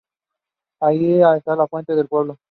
Allí está la fuente del pueblo.